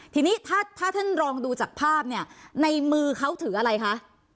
ทีนี้ถ้าท่านลองดูจากภาพเนี่ยในมือเขาถืออะไรคะ